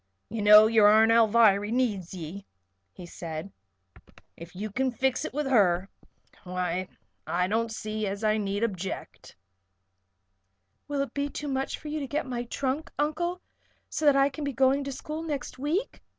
"You know your Aunt Alviry needs ye," he said. "If you kin fix it with her, why I don't see as I need object." "Will it be too much trouble for you to get my trunk, Uncle, so that I can begin going to school next week?"